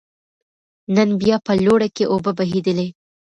نن بيا په لوړه کې اوبه بهېدلې